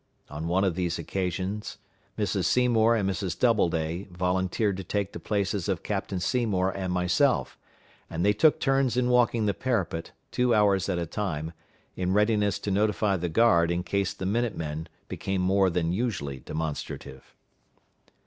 On one of these occasions Mrs. Seymour and Mrs. Doubleday volunteered to take the places of Captain Seymour and myself, and they took turns in walking the parapet, two hours at a time, in readiness to notify the guard in case the minute men became more than usually demonstrative.